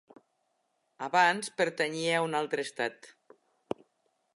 Abans pertanyia a un altre estat.